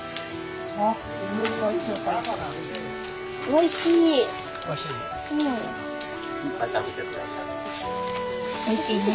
おいしいね。